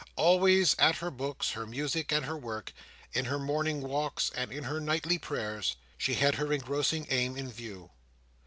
Always: at her books, her music, and her work: in her morning walks, and in her nightly prayers: she had her engrossing aim in view.